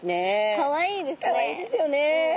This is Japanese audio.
かわいいですよね。